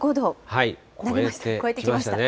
超えてきましたね。